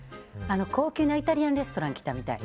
高級なイタリアンレストランに来たみたい。